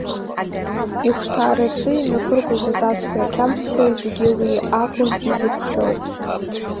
Ихәшҭаараҿы имҩаԥыргоз аҵасқәеи ақьабзқәеи зегьы уи акәын изықәшәоз.